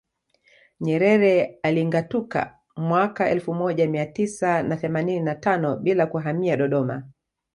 Nyerere alingatuka mwaka elfu moja mia tisa na themanini na tano bila kuhamia Dodoma